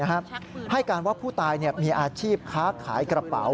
ให้การว่าผู้ตายมีอาชีพค้าขายกระเป๋า